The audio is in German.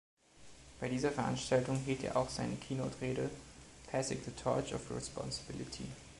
Bei dieser Veranstaltung hielt er auch seine Keynote-Rede „Passing the Torch of Responsibility“.